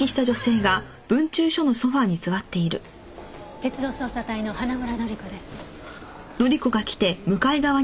鉄道捜査隊の花村乃里子です。